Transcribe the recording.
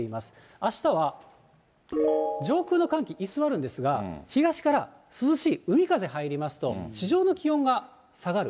あしたは、上空の寒気居座るんですが、東から涼しい海風入りますと、地上の気温が下がる。